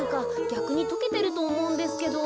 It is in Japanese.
ぎゃくにとけてるとおもうんですけど。